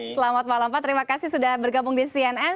selamat malam pak terima kasih sudah bergabung di cnn